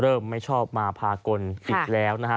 ไม่ชอบมาพากลอีกแล้วนะฮะ